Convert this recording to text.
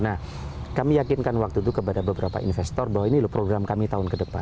nah kami yakinkan waktu itu kepada beberapa investor bahwa ini loh program kami tahun ke depan